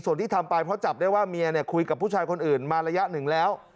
ส่วนที่ทำไปเพราะจับได้ว่าเมียคุยกับผู้ชายคนอื่นมาระยะหนึ่งแล้ว